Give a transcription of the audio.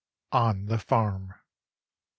ON THE FARM I.